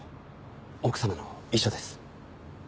奥様の遺書です。